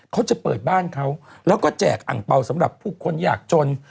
เขาจะเปิดบ้านเขาแล้วก็แจกอังเปล่าสำหรับผู้คนอยากจน